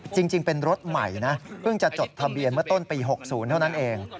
จริงเป็นรถใหม่นะเพิ่งจะจดทะเบียนเมื่อต้นปี๖๐เท่านั้นเอง